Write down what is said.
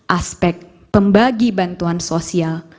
aspek pembagi bantuan sosial